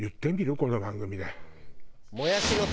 この番組で。